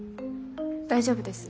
大丈夫です。